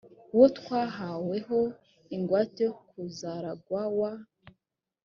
uwo twahawe ho ingwate yo kuzaragwa wa